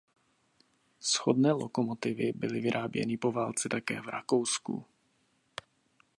Shodné lokomotivy byly vyráběny po válce také v Rakousku.